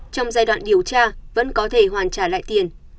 trong giai đoạn điều tra vẫn có thể hoàn trả lại tiền